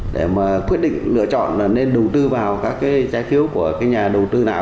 để quyết định lựa chọn nên đầu tư vào các trái phiếu của nhà đầu tư nào